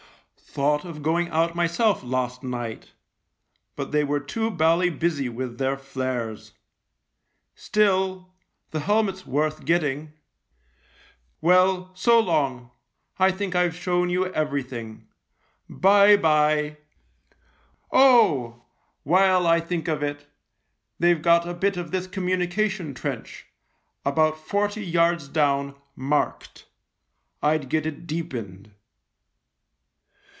Thought of going out myself last night — but they were too bally busy with their flares. Still — the helmet's worth getting. Well, so long, I think I've shown you everything. Bye bye. Oh ! while I think of it, they've got a bit of this communication trench, about forty yards down, marked. I'd get it deepened."